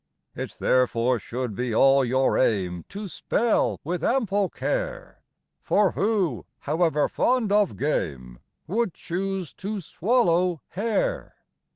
It therefore should be all your aim to spell with ample care; For who, however fond of game, would choose to swallow hair?